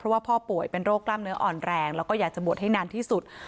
ว่าพ่อป่วยเป็นโรคกล้ามเนื้ออ่อนแรงแล้วก็อยากจะบวชให้นานที่สุด